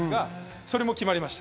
それも決まりました。